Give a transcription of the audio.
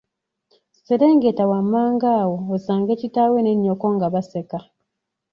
Serengeta wammanga awo osange kitaawo ne nnyoko nga baseka.